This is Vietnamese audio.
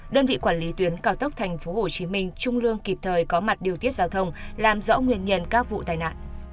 đơn vị quản lý tuyến cao tốc tp hcm trung lương kịp thời có mặt điều tiết giao thông làm rõ nguyên nhân các vụ tai nạn